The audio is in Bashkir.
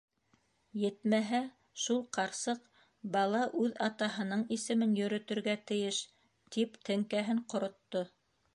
Етмәһә, шул ҡарсыҡ: «Бала үҙ атаһының исемен йөрөтөргә тейеш!» - тип теңкәһен ҡоротто.